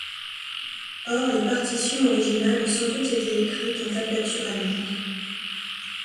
Or les partitions originales ont sans doute été écrites en tablature allemande.